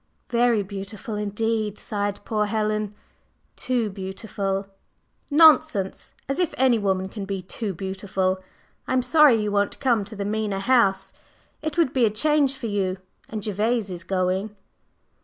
"Very beautiful indeed!" sighed poor Helen. "Too beautiful!" "Nonsense! As if any woman can be too beautiful! I am sorry you won't come to the Mena House. It would be a change for you, and Gervase is going."